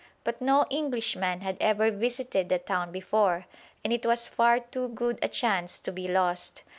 But no Englishman had ever visited the town before, and it was far too good a chance to be lost.